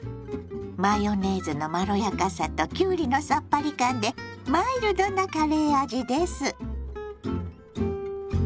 ⁉マヨネーズのまろやかさときゅうりのさっぱり感でマイルドなカレー味です。